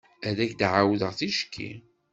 Ad ak-d-ɛawdeɣ ticki.